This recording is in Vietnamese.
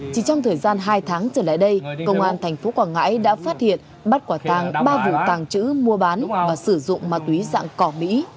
chỉ trong thời gian hai tháng trở lại đây công an tp quảng ngãi đã phát hiện bắt quả tàng ba vụ tàng trữ mua bán và sử dụng ma túy dạng cỏ mỹ